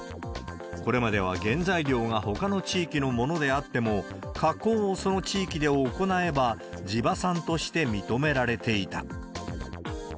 これまでは、原材料がほかの地域のものであっても、加工をその地域で行えば地場産として認められていた。